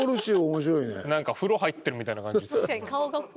なんか風呂入ってるみたいな感じですもんね。